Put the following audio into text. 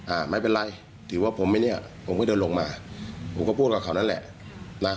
อ่าไม่เป็นไรถือว่าผมไหมเนี่ยผมก็เดินลงมาผมก็พูดกับเขานั่นแหละนะ